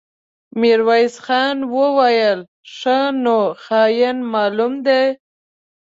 ميرويس خان وويل: ښه نو، خاين معلوم دی.